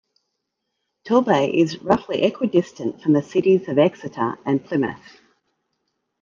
Torbay is roughly equidistant from the cities of Exeter and Plymouth.